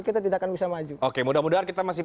kita tidak akan bisa maju oke mudah mudahan kita masih